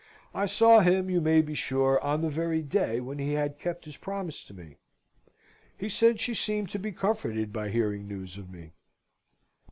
I saw him, you may be sure, on the very day when he had kept his promise to me. He said she seemed to be comforted by hearing news of me.